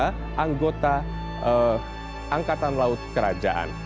peti jenazah ratu elizabeth ii ini akan dibawa berjalan kaki dari westminster abbey